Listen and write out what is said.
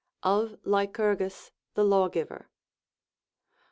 ο Of Lycurgus the Lawgiver.